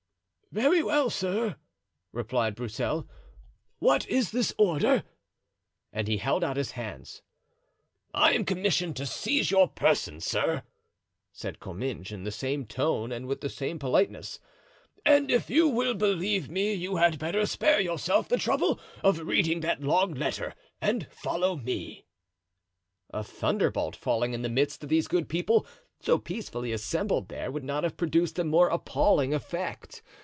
"Very well, sir," replied Broussel, "what is this order?" And he held out his hand. "I am commissioned to seize your person, sir," said Comminges, in the same tone and with the same politeness; "and if you will believe me you had better spare yourself the trouble of reading that long letter and follow me." A thunderbolt falling in the midst of these good people, so peacefully assembled there, would not have produced a more appalling effect.